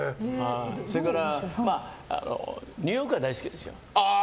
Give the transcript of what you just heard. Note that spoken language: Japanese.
それからニューヨークは大好きですよ。